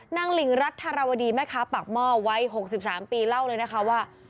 หลิงรัฐธารวดีแม่ค้าปากหม้อวัย๖๓ปีเล่าเลยนะคะว่า